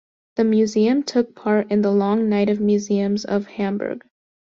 The museum took part in the "Long Night of Museums of Hamburg".